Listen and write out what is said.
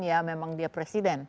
ya memang dia presiden